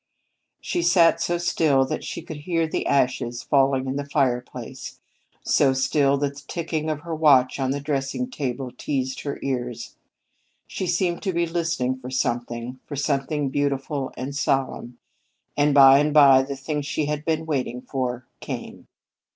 She sat so still that she could hear the ashes falling in the fireplace so still that the ticking of her watch on the dressing table teased her ears. She seemed to be listening for something for something beautiful and solemn. And by and by the thing she had been waiting for came.